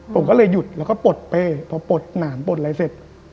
ผมก็เลยหยุดแล้วก็ปลดเป้พอปลดหนามปลดอะไรเสร็จ